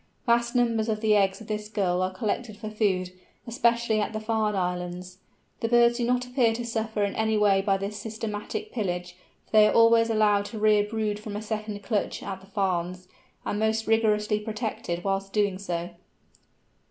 Vast numbers of the eggs of this Gull are collected for food, especially at the Farne Islands. The birds do not appear to suffer in any way by this systematic pillage, for they are always allowed to rear a brood from a second clutch at the Farnes, and most rigorously protected whilst doing so.